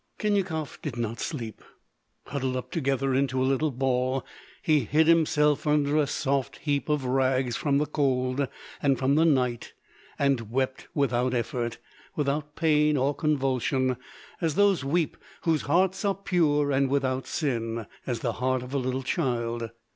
Khinyakov did not sleep. Huddled up together into a little ball, he hid himself under a soft heap of rags from the cold and from the night, and wept, without effort, without pain or convulsion, as those weep whose heart is pure and without sin, as the heart of a little child.